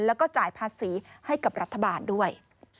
แล้วก็จ่ายภาษีให้กับรัฐบาลด้วย